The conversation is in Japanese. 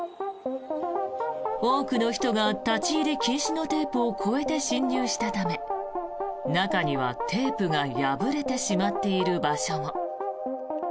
多くの人が立ち入り禁止のテープを越えて進入したため中にはテープが破れてしまっている場所も。